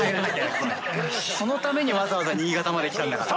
そのためにわざわざ新潟まで来たんだから。